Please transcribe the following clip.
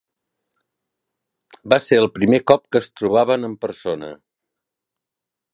Va ser el primer cop que es trobaven en persona.